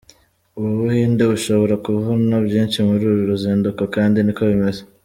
U Buhinde bushobora kuvana byinshi muri uru ruzinduko kandi niko bimeze.